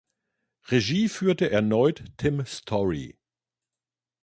Regie führte erneut Tim Story.